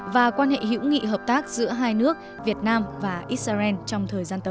và quan hệ hữu nghị hợp tác giữa hai nước việt nam và israel trong thời gian tới